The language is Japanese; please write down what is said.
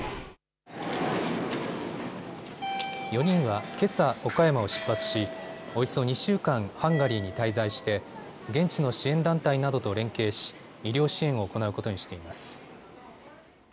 ４人はけさ岡山を出発し、およそ２週間、ハンガリーに滞在して現地の支援団体などと連携し医療支援を行うことにしています。